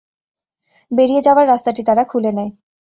বেরিয়ে যাওয়ার রাস্তাটি তারা খুলে নেয়।